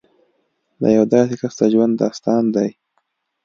د یو داسې کس د ژوند داستان دی